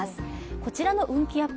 こちらの運気アップ